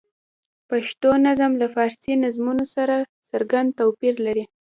پښتو نظم له فارسي نظمونو سره څرګند توپیر لري.